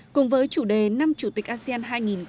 cùng với chủ đề năm chủ tịch asean